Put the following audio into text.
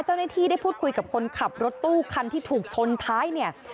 เจ้าหน้าที่ได้พูดคุยกับคนขับรถตู้คันที่ถูกชนท้ายเนี่ย